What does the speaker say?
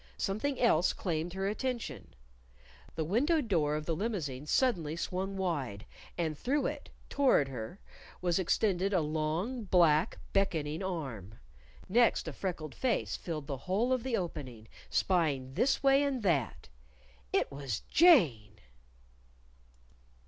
Something else claimed her attention. The windowed door of the limousine suddenly swung wide, and through it, toward her, was extended a long black beckoning arm. Next, a freckled face filled the whole of the opening, spying this way and that. It was Jane!